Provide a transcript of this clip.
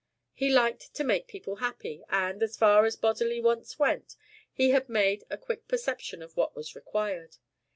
He liked to make people happy, and, as far as bodily wants went, he had a quick perception of what was required.